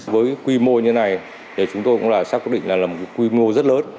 với quy mô như thế này chúng tôi cũng chắc quyết định là một quy mô rất lớn